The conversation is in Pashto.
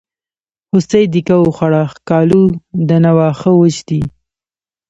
هوسۍ دیکه وخوړه ښکالو ده نه واښه وچ دي.